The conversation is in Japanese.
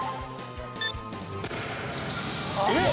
えっ？